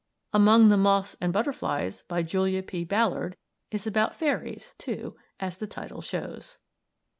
"Among the Moths and Butterflies," by Julia P. Ballard, is about fairies, too, as the title shows.